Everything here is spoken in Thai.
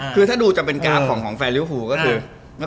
คือถ้าดูจะเป็นการของแฟนรียุภูก็คือ